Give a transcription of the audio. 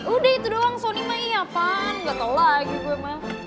udah itu doang sony mah iya apaan gak tau lagi gue mah